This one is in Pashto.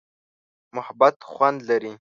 محبت خوند لري.